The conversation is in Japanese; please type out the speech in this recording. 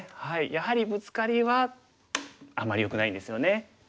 やはりブツカリはあまりよくないんですよね。